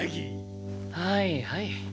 はいはい。